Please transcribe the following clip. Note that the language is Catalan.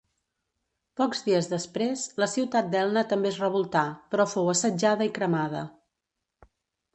Pocs dies després, la ciutat d'Elna també es revoltà, però fou assetjada i cremada.